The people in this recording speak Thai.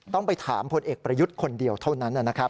ต้องไปถามพลเอกประยุทธ์คนเดียวเท่านั้นนะครับ